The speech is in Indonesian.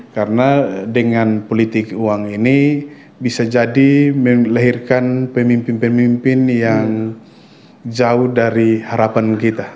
karena dengan politik uang ini bisa jadi melahirkan pemimpin pemimpin yang jauh dari harapan kita